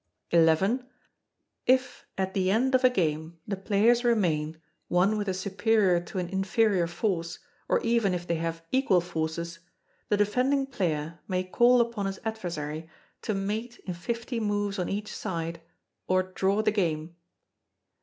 xi. If, at the end of a game, the players remain, one with a superior to an inferior force, or even if they have equal forces, the defending player may call upon his adversary to mate in fifty moves on each side, or draw the game.